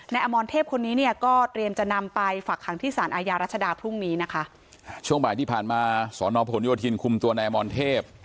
อมรเทพคนนี้เนี่ยก็เตรียมจะนำไปฝักขังที่สารอาญารัชดาพรุ่งนี้นะคะช่วงบ่ายที่ผ่านมาสอนอพหนโยธินคุมตัวนายอมรเทพ